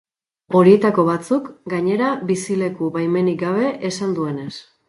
Horietako batzuk, gainera, bizileku-baimenik gabe, esan duenez.